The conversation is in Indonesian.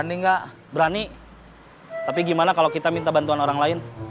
ini enggak berani tapi gimana kalau kita minta bantuan orang lain